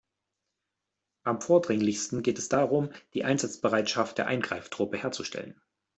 Am vordringlichsten geht es darum, die Einsatzbereitschaft der Eingreiftruppe herzustellen.